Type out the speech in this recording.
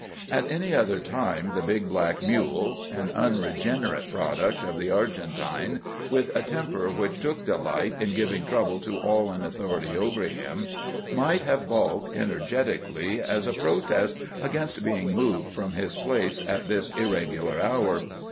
At any other time the big black mule—an unregenerate product of the Argentine, with a temper which took delight in giving trouble to all in authority over him—might have baulked energetically as a protest against being moved from his place at this irregular hour.